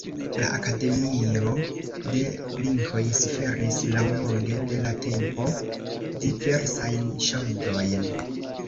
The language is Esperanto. La Akademio de Linkoj suferis laŭlonge de la tempo diversajn ŝanĝojn.